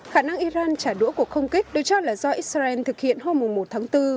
khả năng iran trả đũa cuộc không kích được cho là do israel thực hiện hôm một tháng bốn